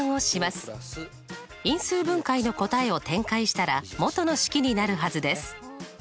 因数分解の答えを展開したら元の式になるはずです。